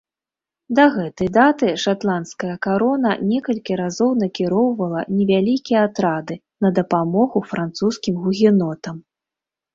Да гэтай даты шатландская карона некалькі разоў накіроўвала невялікія атрады на дапамогу французскім гугенотам.